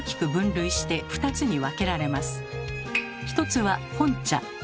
１つは本茶。